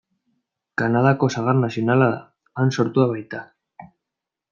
Kanadako sagar nazionala da, han sortua baita.